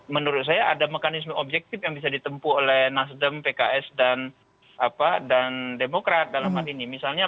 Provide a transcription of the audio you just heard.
menurut saya ada mekanisme objektif yang bisa ditempuh oleh nasdem pks dan demokrat dalam hal ini misalnya